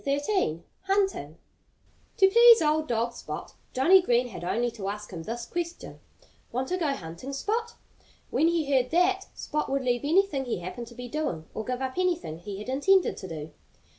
XIII HUNTING To please old dog Spot Johnnie Green had only to ask him this question, "Want to go hunting, Spot?" When he heard that, Spot would leave anything he happened to be doing, or give up anything he had intended to do.